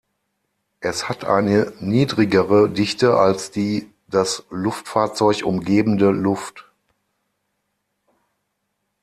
Es hat eine niedrigere Dichte als die das Luftfahrzeug umgebende Luft.